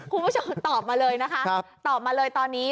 คุณผู้ชมตอบมาเลยนะคะตอบมาเลยตอนนี้